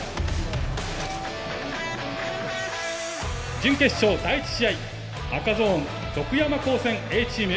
準決勝第１試合赤ゾーン徳山高専Ａチーム。